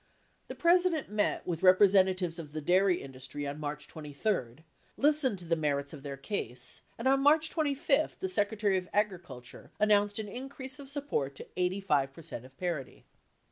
The President met with representatives of the dairy indus try on March 23, listened to the merits of their case, and on March 25, the Secretary of Agriculture announced an increase of support to 85% of parity.